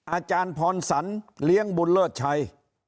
อาจารย์พรสันเลี้ยงบุญเลิศชัย